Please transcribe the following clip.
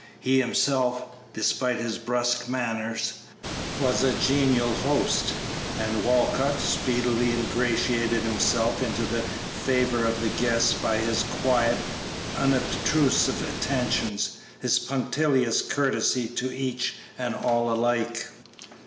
He himself, despite his brusque manners, was a genial host, and Walcott speedily ingratiated himself into the favor of the guests by his quiet, unobtrusive attentions, his punctilious courtesy to each and all alike.